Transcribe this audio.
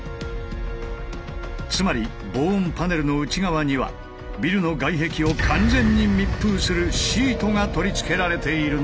つまり防音パネルの内側にはビルの外壁を完全に密封するシートが取り付けられているのだ！